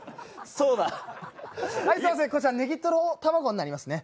すいません、こちらネギトロ玉子になりますね。